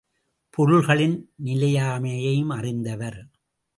பொருள்களின் நிலையாமையையும் அறிந்தவர்.